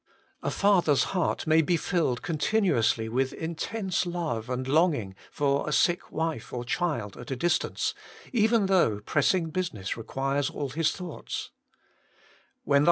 A father's heart may be filled continuously with intense love and longing for a sick wife or child at a distance, even though pressing business requires all his the ugh ti I4a WATTING ON GOBI When tyie.